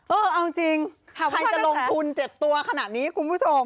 เออเอาจริงหากใครจะลงทุนเจ็บตัวขนาดนี้คุณผู้ชม